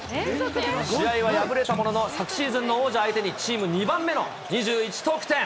試合は敗れたものの、昨シーズンの王者相手にチーム２番目の２１得点。